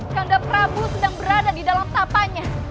karena prabu sedang berada di dalam tapanya